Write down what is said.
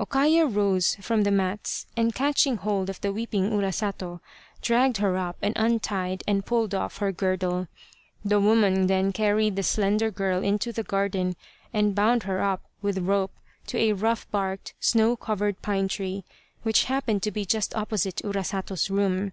O Kaya rose from the mats and catching hold of the weeping Urasato dragged her up and untied and pulled off her girdle. The woman then carried the slender girl into the garden and bound her up with rope to a rough barked, snow covered pine tree, which happened to be just opposite Urasato's room.